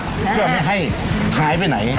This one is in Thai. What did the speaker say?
พรุ่งเท่าที่ไม่ให้ไหลไปไหน